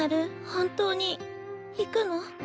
本当に行くの？